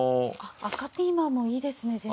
赤ピーマンもいいですね先生。